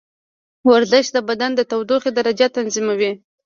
ورزش د بدن د تودوخې درجه تنظیموي.